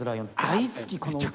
大好きこの歌。